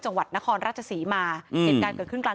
จังหวัดณครรัฐศีมาเกิดกาลเกิดเกิดขึ้นกลาง